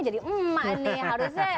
jadi emma nih harusnya